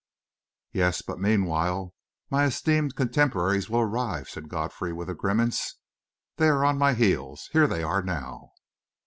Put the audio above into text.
"Yes, but meanwhile my esteemed contemporaries will arrive," said Godfrey, with a grimace. "They are on my heels here they are now!"